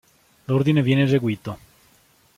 L'ordine viene eseguito.